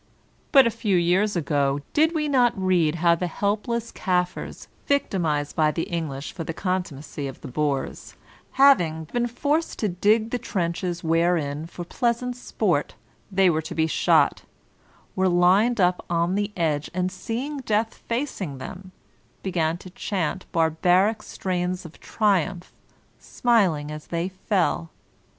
But a few years ago, did we not read how the helpless Kaffirs, victimized by the English for the conttunacy of tfie Boers, having been forced to dig the trenches wherein 84 VOLTAIHINE DE ClEYRE for pleasant sport they were to be shot, were lined up on tfie edge, and seeing death facing them,, began to chant barbaric strains of triumph, smiling as they fell?